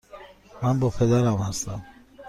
من با پدرم هستم.